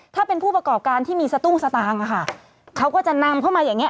ถ้าเป็นผู้ประกอบการที่มีสตุ้งสตางค์อะค่ะเขาก็จะนำเข้ามาอย่างเงี้